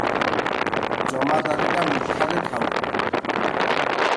ଜମାଦାରଟା ମୁଠାରେ ଥାଉ